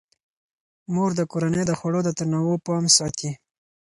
مور د کورنۍ د خوړو د تنوع پام ساتي.